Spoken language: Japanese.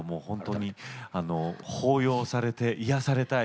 抱擁されて癒やされたい